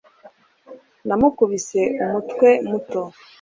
namukubise umutwe muto